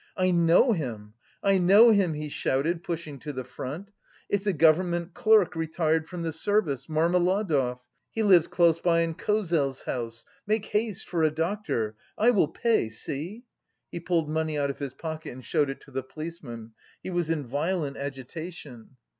"I know him! I know him!" he shouted, pushing to the front. "It's a government clerk retired from the service, Marmeladov. He lives close by in Kozel's house.... Make haste for a doctor! I will pay, see?" He pulled money out of his pocket and showed it to the policeman. He was in violent agitation.